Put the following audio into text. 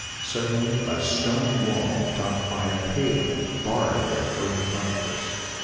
Suddenly, a stone wall, topped by a paling, barred their further progress.